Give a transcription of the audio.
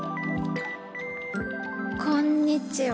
「こんにちは。